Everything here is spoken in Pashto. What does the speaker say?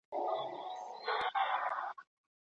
که نجوني په بديو کي ورنکړل سي ظلم به ورک سي.